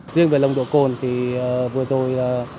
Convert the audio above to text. riêng về nồng độ cồn thì vừa rồi